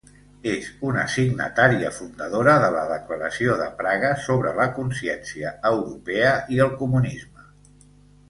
És una signatària fundadora de la Declaració de Praga sobre la Consciència Europea i el Comunisme.